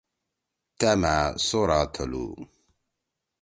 تأ مھأ سورا تھلو